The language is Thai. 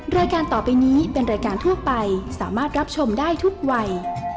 รายการต่อไปนี้เป็นรายการทั่วไปสามารถรับชมได้ทุกวัย